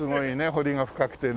彫りが深くてね。